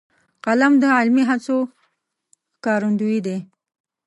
قلم د علمي هڅو ښکارندوی دی